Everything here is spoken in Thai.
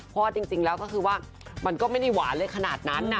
เพราะว่าจริงแล้วก็คือว่ามันก็ไม่ได้หวานเลยขนาดนั้นนะ